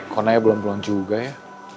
kok naya belum pulang juga ya